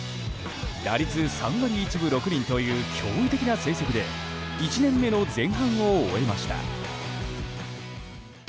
打率３割１分６厘という驚異的な成績で１年目の前半を終えました。